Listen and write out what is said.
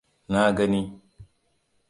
Na gani!